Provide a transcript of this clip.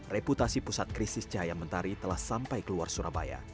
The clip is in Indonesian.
reputasi pusat krisis cahaya mentari telah sampai keluar surabaya